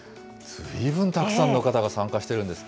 ずいぶんたくさんの方が参加しているんですね。